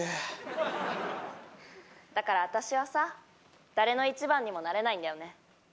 だから私はさ誰の一番にもなれないんだよね。